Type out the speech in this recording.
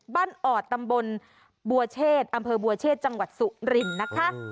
ออดตำบลบัวเชษอำเภอบัวเชษจังหวัดสุรินทร์นะคะ